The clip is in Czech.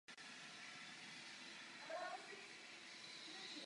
Působila v domácím a později i zahraničním zpravodajství České televize.